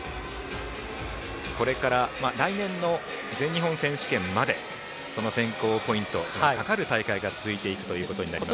これから来年の全日本選手権までその選考ポイントがかかる大会が続いていくということになります。